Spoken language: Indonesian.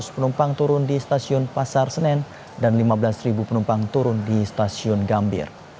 dua ratus penumpang turun di stasiun pasar senen dan lima belas penumpang turun di stasiun gambir